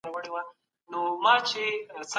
ګډ افتخار د یووالي سبب دی.